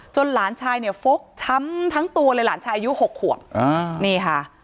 หลานชายเนี่ยฟกช้ำทั้งตัวเลยหลานชายอายุ๖ขวบนี่ค่ะ